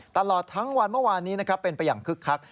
ตลอดทั้งวันเมื่อวานนี้นะครับเป็นไปอย่างคึกคัก